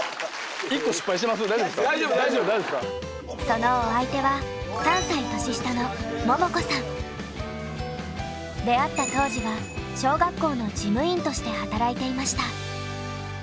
そのお相手は３歳年下の出会った当時は小学校の事務員として働いていました。